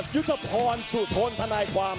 ยุทธพรสุทนทนายความ